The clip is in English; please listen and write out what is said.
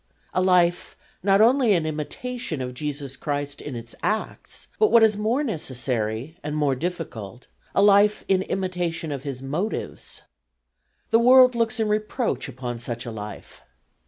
A life not only an imitation of Jesus Christ in its acts, but what is more necessary and more difficult, a life in imitation of His motives. The world looks in reproach upon such a life.